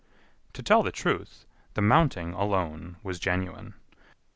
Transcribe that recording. To tell the truth, the mounting alone was genuine.